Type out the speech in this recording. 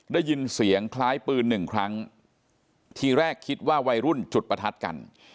ได้ยินเสียงคล้ายปืนหนึ่งครั้งทีแรกคิดว่าวัยรุ่นจุดประทัดกัน